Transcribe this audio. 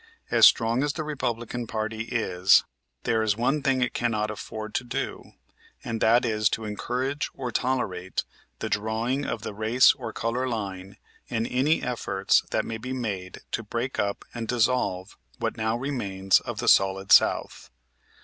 As strong as the Republican party is there is one thing it cannot afford to do, and that is to encourage or tolerate the drawing of the race or color line in any efforts that may be made to break up and dissolve what now remains of the Solid South.